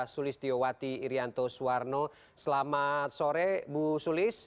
sulis tiowati irianto suwarno selamat sore bu sulis